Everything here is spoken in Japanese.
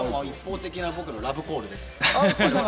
一方的な僕のラブコールです。